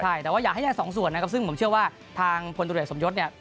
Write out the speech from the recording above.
ใช่แต่ว่าอยากให้ได้สองส่วนนะครับซึ่งผมเชื่อว่าทางพลตรวจสมยศเนี่ย